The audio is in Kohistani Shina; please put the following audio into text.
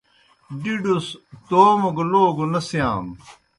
ڈِڈوْس توموْ گہ لوگوْ نہ سِیانوْ